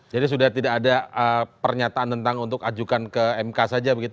jadi sudah tidak ada pernyataan tentang untuk ajukan ke mk saja begitu